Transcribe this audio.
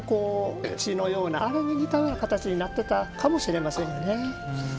比叡山の観光地のようなあれに似たような形になってたかもしれませんよね。